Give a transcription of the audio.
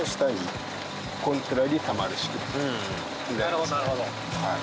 なるほどなるほど。